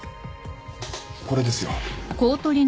これですよ。